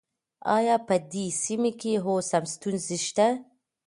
آيا په دې سيمه کې اوس هم ستونزې شته؟